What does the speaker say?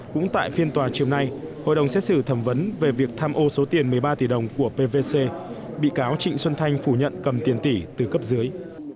cũng tại phiên tòa chiều nay hội đồng xét xử thẩm vấn về việc tham ô số tiền một mươi ba tỷ đồng của pvc bị cáo trịnh xuân thanh phủ nhận cầm tiền tỷ từ cấp dưới